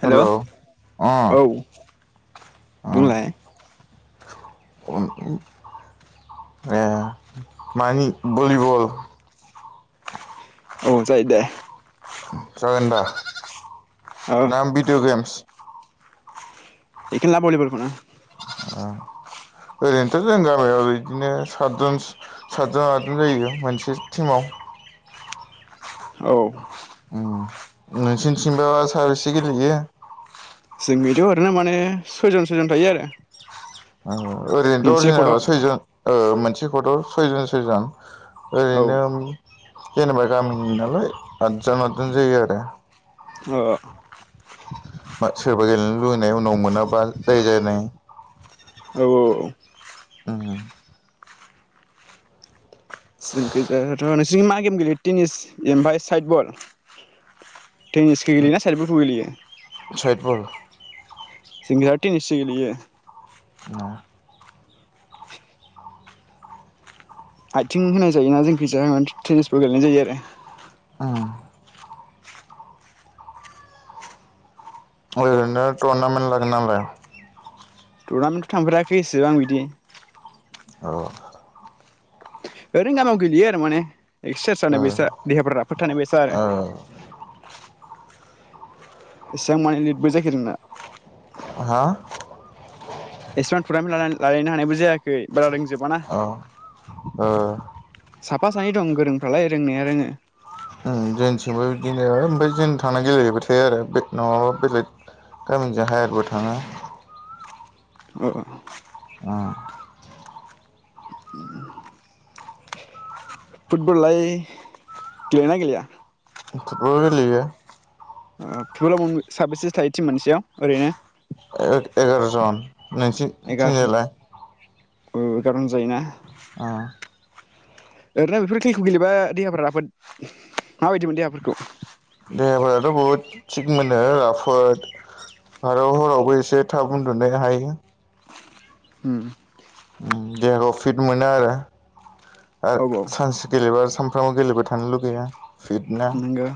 हेल' औ अ बुंलाय मानि भलिबल औ जायो दे जागोनदा औ नाम बिडिअ गेम्स एखोनोला भलिबलखौनो ओरैनोथ' जों गामियाव ओरै बिदिनो सातजन सातजन आदजन जायो मोनसे टिमाव औ नोंसोनिथिंबा साबेसे गेलेयो जोंखैथ' ओरैनो माने सयजन सयजन थायो आरो ओरैनोथ' मोनसे कर्टआव अरिजिनला सयजन मोनसे [unintelligible] औ ओरैनो जेनेबा गामिनि नालाय आदजन आदजन जायो आरो अ मा सोरबा गेलेनो लुगैनाय उनाव मोनाबा दाय जायो [inaudible] औ औ औ उम जोंखैजायथ' नोंसिनि मा गेम गेलेयो टेनिस ओमफ्राय साइद बल टेनिसखौ गेलेयोना साइडबखौ गेलेयो साइद बल जोंखैथ टेनिस सो गेलेयो अ आथिं होनाय जायोना जोंगैजाय जाया टेनिस बल गेलेनाय जायो आरो ओं टुरनामेन्ट लागोना लाया टुरनामेन्टथ' थांफेराखै एसेबां आं बिदि औ ओरैनो गामियाव गेलेयो आरो माने एक्ससारसाइस औ जानायबायसा देहाफ्रा राफोद थानाय बायसा आरो एसेबां मानि लिदबो जाखाया दाना हा एसेबां टु्नामेन्ट लालायनो हानायबो जायाखै बारा रोंजोबा ना औ ओ साफा सानै दं गोरोंफ्रालाय रोंनाया रोङो जोंथिंबो बिदिनो ओमफ्राय जों थांना गेलेहैबाय थायो आरो नङाबा बेलेग गामिनिजों हायारबो थाङो औ अ फुटबल लाय गेलेयोना गेलेया फुथबल गेलेयो फुटबलाव साबेसेसो थायो थिम मोनसेयाव ओरैनो एगार' जन नोंसिनिथिंजायलाय औ एगार'जन जायोना अ ओरैनो बेफोर खेलखौ गेलेबा देहाफोरा राफोद माबायदिमोनो देहाफोरखौ देहाफोराथ' बहुद थिग मोनो राफोद आरो हरावबो एसे थाब उन्दुनो हायो उम उम देहाखौ फिट मोनो आरो आरो औ सानसे गेलेबा आरो सानफ्रामबो गेलेबाय थानो लुगैयो ना नंगौ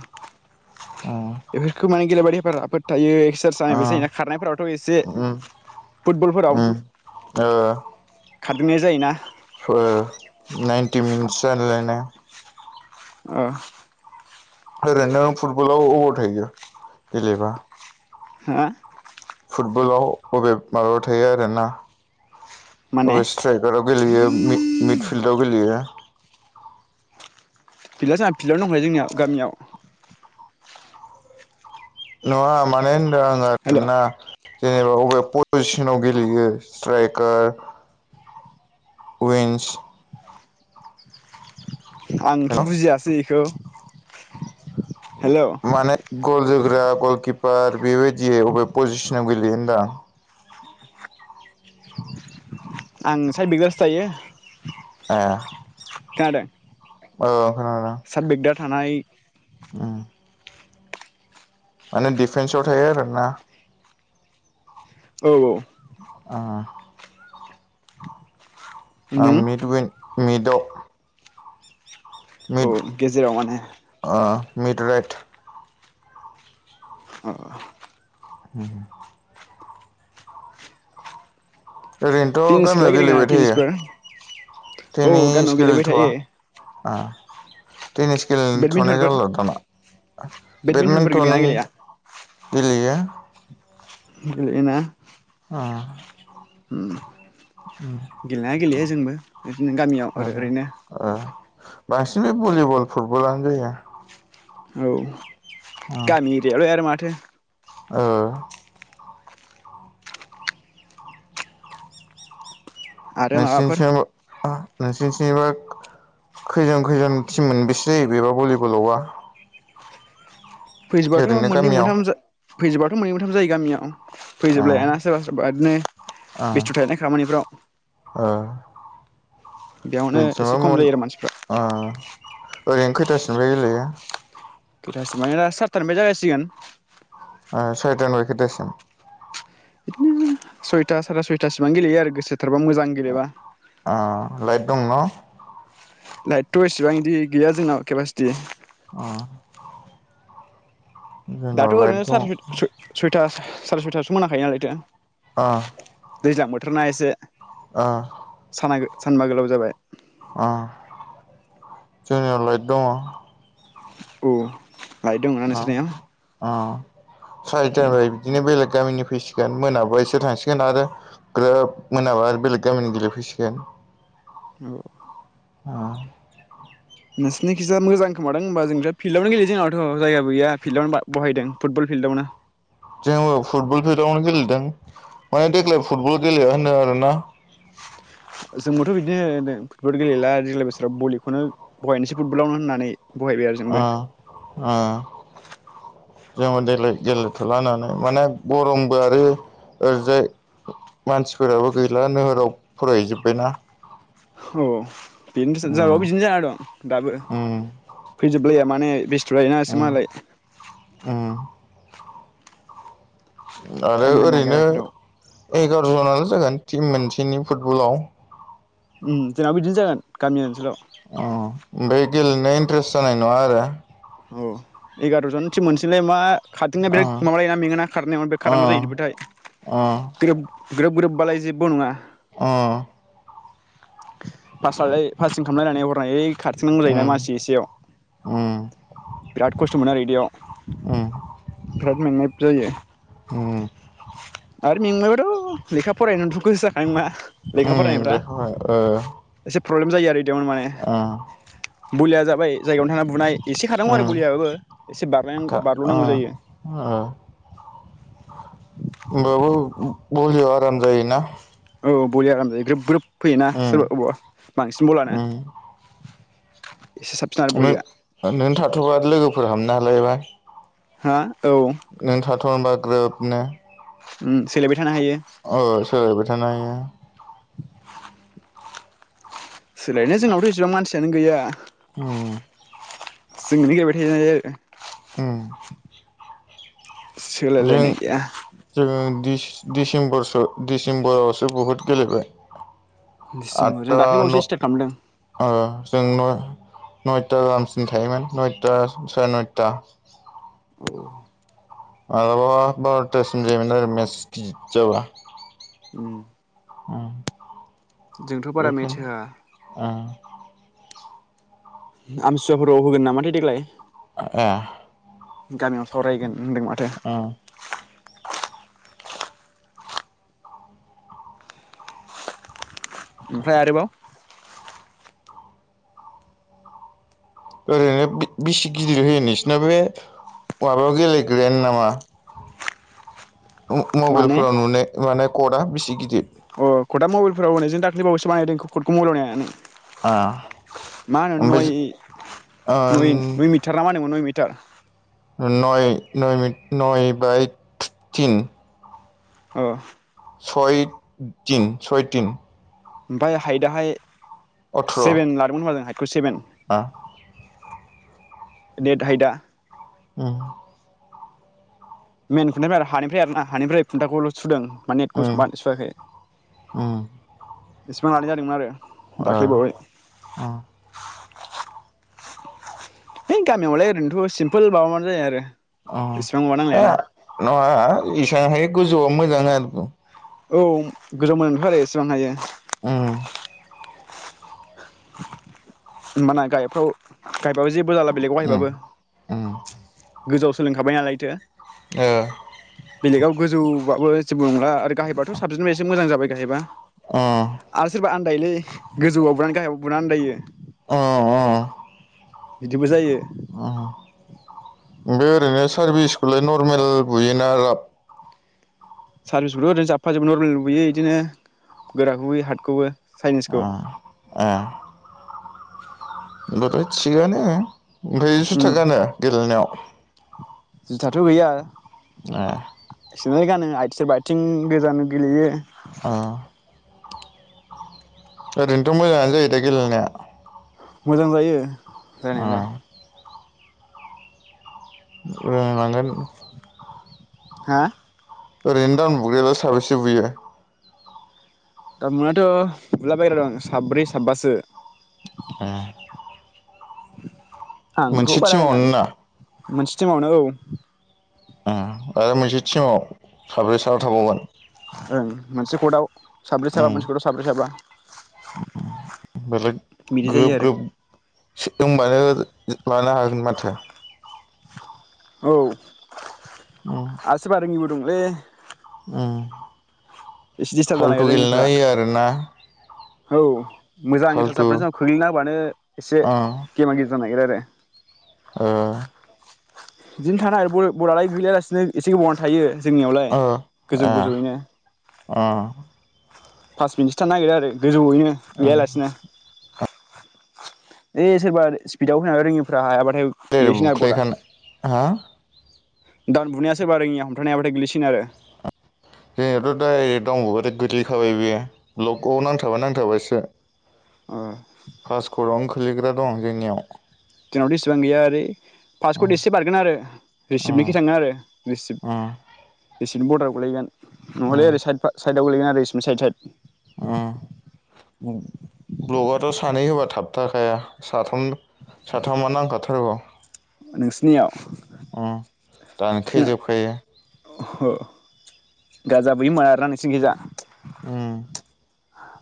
उम एफोरखौ माने गेलेबाथाय देहाफोरा राफोद थायो उम जायोना खारनायफोरावथ' एसे उम फुटबलफोराव उम ओ खारदिंनाय जायोना ओ नाइन्टि मिनिटस जालायलायनाय ना अ ओरैनो फुटबलाव अबर थायो गेलेबा हा फुटबलाव बबे माबा थायो आरोना माने अबे स्ट्राइखाराव गेलेयो मिड फिल्डआव गेलेयो फिल्डआ जोंहा फिल्डआवनो दंखायो जोंनियाव गामियाव नङा माने हेल' [inaudible] जेनेबा बबे पजिसनाव गेलेयो स्ट्राइकार विंस आंथ' बुजियासै बेखौ [inaudible] हेल' माने गल जोग्रा गलकिपार बेबायदियै अबे पजिसनाव गेलैयो होनदां आं सायत बिगदारसो थायो ए खोनादों औ साइत बेगदार थानाय उम माने डिफेन्सआव थायो आरोना औ औ उम आं नों मित विं मित [inaudible] औ गेजेराव माने मित राइत अ होम ओरैनोथ' टेनिस खेला गामियाव गेलेगोना गेलेबाय थायो टेनिसफोर औ टेनिस गामियाव गेलेबाय थायो गेलेथ'वा टेनिस गेलेथ'नाय बेडमिन्टनफोर जाला दाना बेडमिन्टनफोर बेडमिन्टन गेलेयोना गेलेया गेलेयो गेलेना अ उम गेलनाया गेलेयो जोंबो बिदिनो गामियाव आरो ओरैनो ओ बांसिन बे भलिबल फुटबलानो जाया औ गामि इरियायावलाय माथो ओ [unintelligible] आरो माबाफोर नोंसोरनिथिंबा खैजन खैजन टिम मोनबैसे जायो बेबा भलिबलावबा फैजोबाथ' ओरैनो मोननै गामियाव मोनथाम जा फैजोबाथ' मोननै मोनथाम जायो गामियाव ओ फैजोबलायाना सोरबा सोरबा इदिनो ओ बेस्थु थायना खामानिफ्राव ओ बेयावनो जोंनिथिंबा एसे खम मोन जायो आरो मानसिफ्रा ओ ओरैनो खैथासोनिफ्राय गेलेयो खैथासो माने दा सारथा निफ्राय जागायसिगोन ओ सयथानिफाय खैथासिम बिदिनो सयथा साराय सयथासिबां गेलेयो आरो गोसो थोरबा मोजां गेलेबा ओ लाइट दं न' लाइटथ' एसेबां इदि गैया जोंनाव केपासिटि अ दाथ' लाइट ओरैनो दं साराइ स स सुइथार साराय सयथा यावसो मोनाखायो नालाय दा आ दैज्लां बोथोरना एसे ओ साना सानबा गोलाव जाबाय अ जोंनियाव लाइट दङ औ लाइट दंना अ नोंसोरनियाव अ सारि ता निफाय बिदिनो बेलेग गामिनि फैसिगोन मोनाबा इसोर थांसिगोन आरो ग्रोब मोनाबा आरो बेलेग गामिनि गेलेफैसिगोन औ आ नोंसिनिखिजा मोजां खोमादां होमबा जोंथ' फिल्डआवनो गेलेयो जोंनावथ' जायगाबो गैया फिल्डआवनो बा बहायदों फुटबल फिल्डआवनो जोङो फुटबल फिल्डावनो गेलेदों माने देग्लाय फुटबल गेलेया होनदों आरोना जोंबोथ' बिदिनो फुटबल गेलेला देग्लाय बोसोराव बलिखौनो बहायनोसै फुटबलावनो होननानै बहायबाय आरो आ जोंबो आ जोङो देलाय गेलेथ'ला होननानै माने गरमबो आरो ओरैजाय मानसिफोराबो गैला नोगोराव फरायहैजोब्बायना औ बेनोथ जोंनाबो उम बिदिनो जाना दं दाबो उम फैजोबलाया माने बेसथ' जायोना एसे उम मालाय उम आरो टाइम होनो नागिरा ओरैनो बेफोराव एगार' जनालाय जागोन टिम मोनसेनि फुटबलाव। जोंनाबो बिदिनो जागोन गामि ओनसोलाव। ओमफ्राय गेलेनाय इन्ट्रेस्ट जानाय नङा आरो औ एगार'जन थिम मोनसैनोलाय मा खारदिंनायाव बिराद माबा लायोना मेङोना खारनायाव खारनांगौ उम जाहैब्लाथाय बिराद ग्रोब ग्रोबबालाय जेबो नङा। अ। पास लालाय पाससिं खामलायनानै हरनो हायो। खारथिंनांगौ जायोना उम मानसि एसेयाव उम बिराद खस्थ' मोनो आरो बिदियाव बिराद मेंनाय जायो। उम उम आरो मेंबायबाथ' लेखा फरायनानै। दुरबल गोसो जाखानाय नङा लेखा उम फरायनायफ्रा बेखौहाय ओ एसे प्रब्लेम जायो आरो। बिदियावनो माने उम भलिया जाबाय जायगायावनो थांना बुनाय एसे खारानांगौ आरो उम बलियाबो एसे खा बारल'नांगौ जायो। उम होनोमबाबो भलियाव आराम जायोना। औ बलिया आराम जायो ग्रोब ग्रोब फैयोना उम सोरबा बबावा बांसिन बलानो। एसे साबसिन आरो बलिया ओमफाय नों थाथ'बा लोगोफोर हाबनो हागोन हालायबाय हा औ। होनबा ग्रोब नो उम सोलायबाय थानो हायो अ सोलायबाय थानो हायो। सोलायनाया जोंनावथ' इसेबां मानसियानो गैया। उम। [unintelligible] उम। जों सोलायलायनाय गैया। जोङो दिसेम्बरसो डिसेम्बरावसो बुहुद गेलेबाय। दिसेम्बर जों आदथा न दाख्लैबावसो स्टार्ट खालामदों जों न नयता गाहामसिम थायोमोन नयथा साराय नयता औ मालाबा बार'तासिम जायोमोन आरो मेच गिदिर जाबा। उम हम। जोंथ' बारा मेथ्च होआ। उम आमथिसुवाफोराव होगोन नामाथाय देग्लाय। ए। गामियाव सावरायगोन। होनदों माथो उम ओमफ्राय आरोबाव ओरैनो बिसि गिदिर होयो नोंसोरनााव बे माबायाव गेलेग्रायानो नामा माने मबाइलफोराव नुनाय माने कर्टा बिसे गिदिर अ कटआ मबाइलफोराव जों दाखालिबावैसो बानायदों कर्टखौ मबेलाव नायनानै ओ मा होनो ओमफ्राय नय नय मिटार ना मा होनोमोन नय मि [inaudible] नय न नय बाय थिन औ सय तिन सय तिन ओमफ्राय हाइदाहाय अथ्र' सेभेन लादोंमोन होनोमबा जों हाइदखौ सेभेन नेेट हाइटा उम मेन खुन्थानिफ्राय आरो हानिफ्राय आर ना हानिफ्राय खुन्थाखौल' सुदों माने नेटखौ सुआखै बेसिबां लानाय जादोंमोन आरो दाख्लैबावै ए है गामियावलाय ओरैनोथ' सिमपोल माबामानो जायो आरो अ इसिबां माबा नांलायाना न [unintelligible] गोजौआव मोजां [unintelligible] औ गोजौ [unintelligible] उम होमबाना गाहायफ्राव गायबाबो जेबो जाला बेलेगाव गायबाबो गोजौआव सोलोंखाबाय नालायथो ओ बेलेगाव गोजौबाबो जेबो नंला आरो गाहायबाथ' साबसिनबायसो मोजां जाबाय गाहायबा आरो सोरबा आन दायलै गोजौआव बानो गाहायाव बुना आनदायो अ अ बिदिबो जायो बे ओरैनो सारभिसखौलाय नरमेल बुयोना राब सारभिसखौथ' ओरैनो जाबबफा जोबो नरमेलबो बुबोयो इदिनो गोराखौबो बुयो हारटखौबो आ ए होमबाथ' थिगानो ओमफाय उम जुथा गानो गेलेनायाव जुथाथ' गैया ए सिनेल गानो आथि सोरबा आथिं गोजान गेलेयो अह ओरैनोथ' मोजाङानो जायो दा गेलेनाया मोजां जायो ओ जानायालाय रोंलांगोन हा ओरैनो दाउन बुगायाल' साबेसे बुयो दाउन बुनायाथ' बुला बायग्रा दं साब्रै साबासो ए [inaudible] मोनसे बारा टिमावनो रोङालै ना मोनसे टिमावनो औ आ आरो मोनसे टिमाव साब्रै साबा थाबावगोन ओं मोनसे कर्टआव साब्रै साबा उम मोनसे कर्टआव साब्रै साबा बेलेग बिदि जायो ग्रोब आरो ग्रोब [unintelligible] लानो हागोन माथो औ उम आसोरबा रोङिबो दुंले उम दिस्टार्ब फाल्थु गेलेना होयो आरोना हौ मोजां इन्थारेस फाल्थु जाफुनाय समाव खोग्लैना हाबानो एसे ओ गेमा गेजु जानाय [unintelligible] ओ बिदिनो थानो आरो ब बल आलाय गैलैयालासिनो एसे गोबावानो थायो जोंनियावलाय गोजौ गोजौ ओइनो अ पास मिनिटसो थानो नागिरो आरो गोजौयैनो ओ गोलैयालासिनो ओइ‌ सोरबा स्पिडाव होनानै रोङिफ्रा हायाबा दे बुख्लायखाना हा दाउन बुनाया सोरबा‌ रोङिया हमथानो हायाबाथाय गोलैसि [unintelligible] गोलैखाबाय बेयो ब्लकआव नांथाबा नांथाबायसो ओ पासकटआवनो खोलैग्रा दं जोंनियाव जोंनावथ' इसिबां गैया ओरै उम पासकड एसे बारगोन आरो उम रिसिप्टनिखि थाङो आरो रिसिप्ट उम रिसि बिनि बदाराव गोलै हैगोन नङालै ओरै साइथ फा साइथ [unintelligible] उम ब्लगआथ' सानै होबा थाबथाखाया साथाम साथामा नांखाथारगौ नोंसिनियाव अ दानखे जोंना जोबखायो अ गाजा बोयो मार ना [unintelligible] उम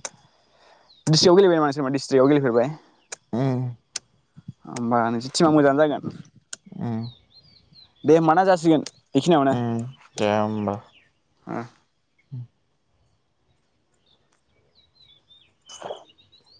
दिस्ट्रिक्टआव गेलेबाय मान सोरबा डिस्ट्रिक्टआव गेलेफेरबाय उम होमबा नोंसिनि टिमा मोजाङानो जागोन उम दे होमबा ना जासिगोन बेखिनियावनो उम दे होमबा ओ [inaudible] [inaudible]